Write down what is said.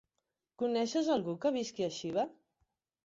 Coneixes algú que visqui a Xiva?